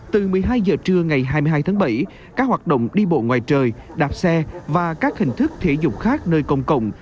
từ một mươi hai h trưa ngày hai mươi hai tháng bảy các hoạt động đi bộ ngoài trời đạp xe và các hình thức thể dục khác nơi công cộng